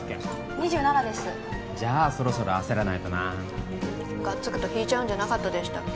２７ですじゃあそろそろ焦らないとながっつくと引いちゃうんじゃなかったでしたっけ？